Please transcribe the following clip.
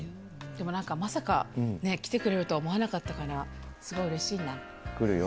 でもなんか、まさか来てくれるとは思わなかったから、すごいうれしいな。